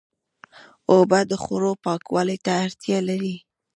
اوبه د خوړو پاکوالي ته اړتیا لري.